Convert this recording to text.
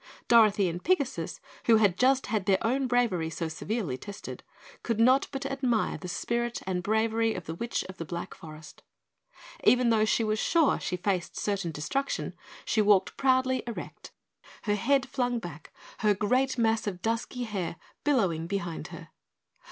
Dorothy and Pigasus, who had just had their own bravery so severely tested, could not but admire the spirit and bravery of the Witch of the Black Forest. Even though she was sure she faced certain destruction, she walked proudly erect, her head flung back, her great mass of dusky hair billowing behind her.